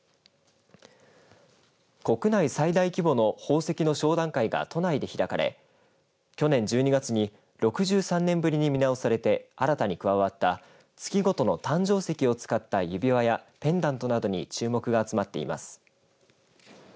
国内最大規模の宝石の商談会が都内で開かれ去年１２月に６３年ぶりに見直されて新たに加わった月ごとの誕生石を使った指輪やペンダントなどに注目が集まっています。